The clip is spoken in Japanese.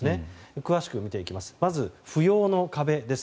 詳しく見ていきます。